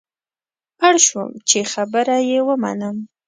اړ شوم چې خبره یې ومنم.